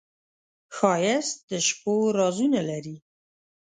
ښایست د شپو رازونه لري